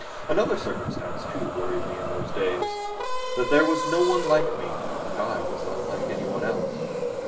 Another circumstance, too, worried me in those days: that there was no one like me and I was unlike anyone else.